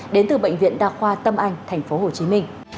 đến từ bệnh viện đa khoa tâm anh tp hcm